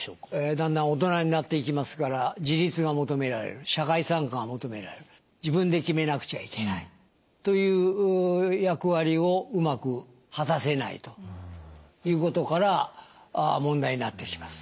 だんだん大人になっていきますから自立が求められる社会参加が求められる自分で決めなくちゃいけないという役割をうまく果たせないということから問題になってきます。